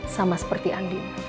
sama seperti andi